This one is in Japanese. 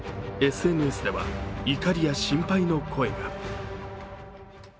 ＳＮＳでは怒りや心配の声が。